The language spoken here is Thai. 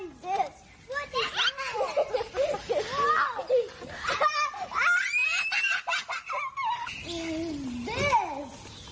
อิสเด็ก